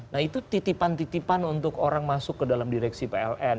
nah itu titipan titipan untuk orang masuk ke dalam direksi pln